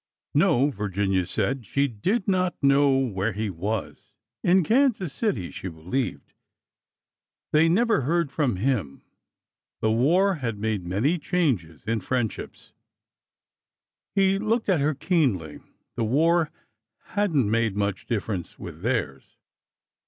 No, Virginia said, she did not know where he was — 376 ORDER NO. 11 in Kansas City, she believed— they never heard from him — the war had made many changes in friendships. He looked at her keenly. The war had n't made much difference with theirs.